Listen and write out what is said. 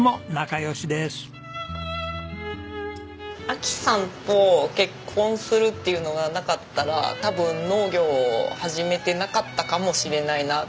章さんと結婚するっていうのがなかったら多分農業を始めてなかったかもしれないなって。